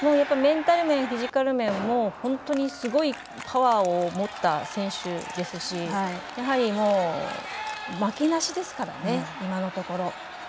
メンタル面フィジカル面もすごいパワーを持った選手ですしやはり、負けなしですから今のところ。